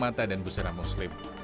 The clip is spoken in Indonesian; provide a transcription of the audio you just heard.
mata dan busana muslim